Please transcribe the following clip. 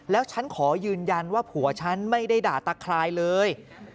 แล้วฉันขอยืนยันว่าผัวฉันไม่ได้ด่าตะคลายเลย